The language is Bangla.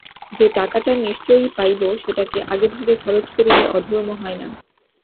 যে টাকাটা নিশ্চয়ই পাইব সেটাকে আগেভাগে খরচ করিলে অধর্ম হয় না।